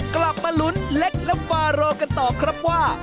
กลับมาลุ้นเล็กและฟาโรกันต่อครับว่า